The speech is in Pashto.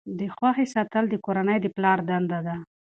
د خوښۍ ساتل د کورنۍ د پلار دنده ده.